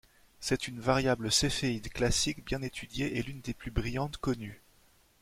C'est une variable Céphéide classique bien étudiée et l'une des plus brillantes connues.